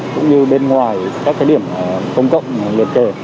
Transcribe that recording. cũng như bên ngoài các cái điểm công cộng liệt kề